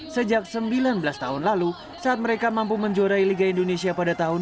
sejak sembilan belas tahun lalu saat mereka mampu menjuarai liga indonesia pada tahun dua ribu